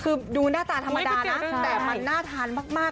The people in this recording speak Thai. คือดูหน้าตาธรรมดานะแต่มันน่าทานมาก